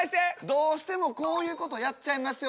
どうしてもこういうことやっちゃいますよね